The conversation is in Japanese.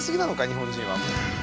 日本人はもう。